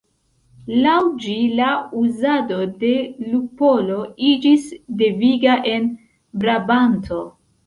Laŭ ĝi la uzado de lupolo iĝis deviga en Brabanto.